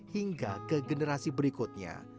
hingga ke generasi berikutnya